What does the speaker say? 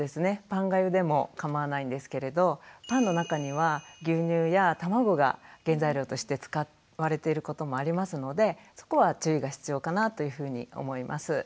パンがゆでも構わないんですけれどパンの中には牛乳や卵が原材料として使われていることもありますのでそこは注意が必要かなというふうに思います。